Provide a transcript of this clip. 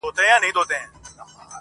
• د درد پېټی دي را نیم که چي یې واخلم,